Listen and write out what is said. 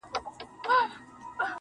ول کمک را سره وکړه زما وروره,